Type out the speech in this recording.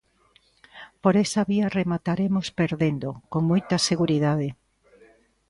Por esa vía remataremos perdendo, con moita seguridade.